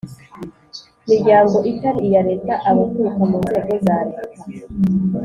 miryango itari iya Leta Abaturuka mu nzego za Leta